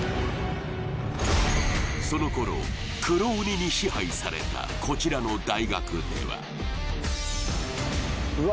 その頃黒鬼に支配されたこちらの大学ではうわ